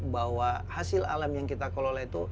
bahwa hasil alam yang kita kelola itu